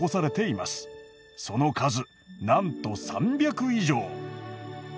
その数なんと３００以上。